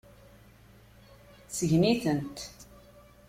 Sgen-itent.